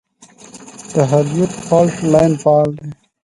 د هریرود فالټ لاین فعال دی